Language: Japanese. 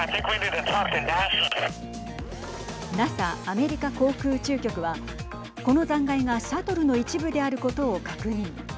ＮＡＳＡ＝アメリカ航空宇宙局はこの残骸が、シャトルの一部であることを確認。